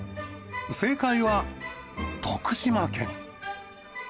正解は徳島県。